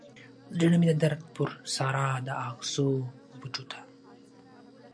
زړه مې د درد پر سارا د اغزو بوټو ته